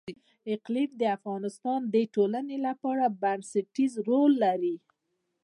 اقلیم د افغانستان د ټولنې لپاره بنسټيز رول لري.